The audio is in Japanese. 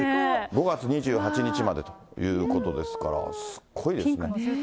５月２８日までということですから、すっごいですね。